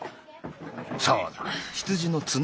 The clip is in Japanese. そうだ。